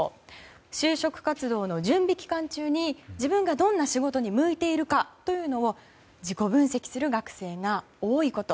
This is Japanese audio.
就職活動の準備期間中に自分がどんな仕事に向いているかというのを自己分析する学生が多いこと。